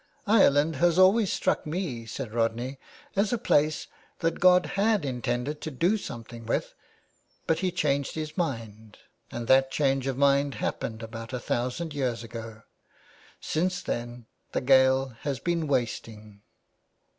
'' Ireland has always struck me," said Rodney, "as a place that God had intended to do something with ; but he changed his mind, and that change of mind happened about a thousand years ago. Since then the Gael has been wasting."